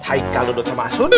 haikal duduk sama asun